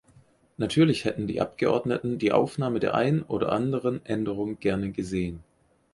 Natürlich hätten die Abgeordneten die Aufnahme der einen oder anderen Änderung gerne gesehen.